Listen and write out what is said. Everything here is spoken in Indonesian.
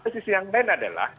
sisi yang lain adalah